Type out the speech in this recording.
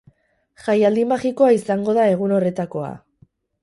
Jaialdi magikoa izango da egun horretakoa.